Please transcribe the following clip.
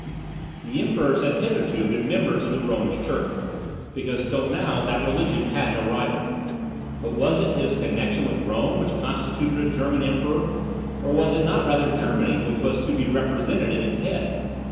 The emperors had hitherto been members of the Romish Church, because till now that religion had no rival. But was it his connexion with Rome which constituted a German emperor, or was it not rather Germany which was to be represented in its head?